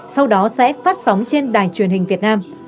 sau đó sẽ phát sóng trên đài truyền hình việt nam